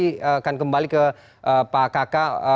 jadi akan kembali ke pak kaka